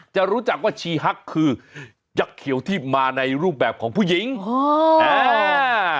จะรู้จักว่าชีฮักคือยักษ์เขียวที่มาในรูปแบบของผู้หญิงอ๋ออ่า